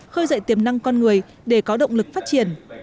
khơi dậy tiềm năng con người để có động lực phát triển